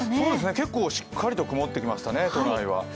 結構しっかりと曇ってきましたね、都内は。